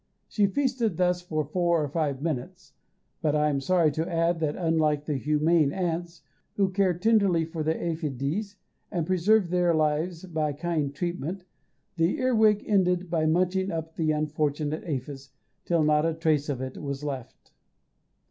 She feasted thus for four or five minutes, but I am sorry to add that, unlike the humane ants, who care tenderly for their aphides and preserve their lives by kind treatment, the earwig ended by munching up the unfortunate aphis, till not a trace of it was left.